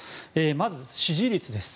まず、支持率です。